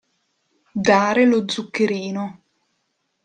Dare lo zuccherino.